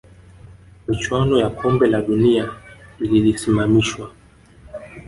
michuano ya Kombe la dunia ililisimamishwa